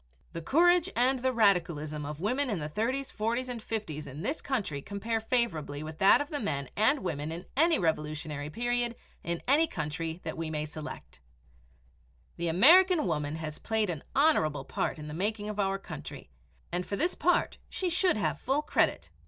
The courage and the radicalism of women of the 30's, 40's, and 50's in this country compare favorably with that of the men and women in any revolutionary period in any country that we may select. The American woman has played an honorable part in the making of our country, and for this part she should have full credit.